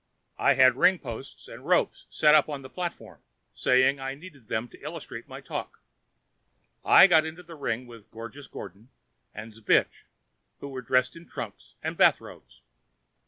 I had ringposts and ropes set up on the platform, saying I needed them to illustrate my talk. I got into the ring with Gorgeous Gordon and Zbich, who were dressed in trunks and bathrobes.